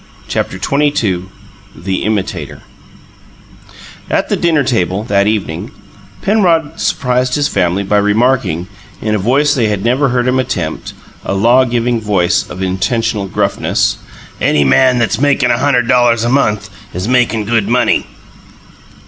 CHAPTER XXII THE IMITATOR At the dinner table, that evening, Penrod Surprised his family by remarking, in a voice they had never heard him attempt a law giving voice of intentional gruffness: "Any man that's makin' a hunderd dollars a month is makin' good money."